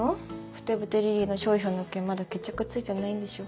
「ふてぶてリリイ」の商標の件まだ決着ついてないんでしょ。